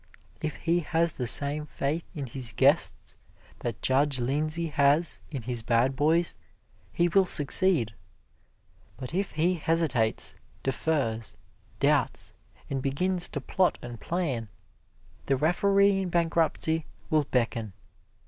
If he has the same faith in his guests that Judge Lindsey has in his bad boys, he will succeed; but if he hesitates, defers, doubts, and begins to plot and plan, the Referee in Bankruptcy will beckon.